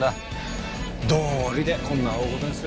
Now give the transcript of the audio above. どうりでこんな大ごとにするわけだ。